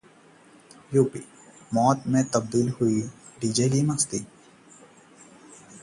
UP: मौत में तब्दील हुई डीजे की मस्ती